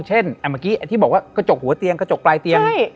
เมื่อกี้ที่บอกว่ากระจกหัวเตียงกระจกปลายเตียง